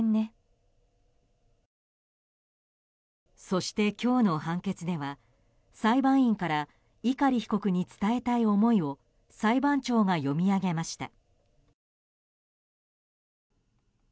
そして、今日の判決では裁判員から碇被告に伝えたい思いを裁判長が読み上げました。